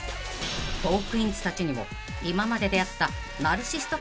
［トークィーンズたちにも今まで出会った］